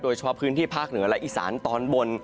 เฉพาะพื้นที่ภาคเหนือและอีสานตอนบน